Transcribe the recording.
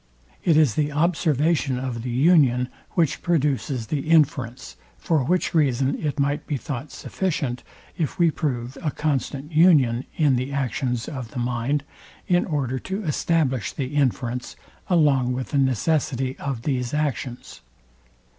It is the observation of the union, which produces the inference; for which reason it might be thought sufficient, if we prove a constant union in the actions of the mind, in order to establish the inference, along with the necessity of these actions.